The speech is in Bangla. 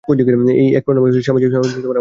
এই এক প্রণামেই স্বামীজী আমার হৃদয় আকর্ষণ করিলেন।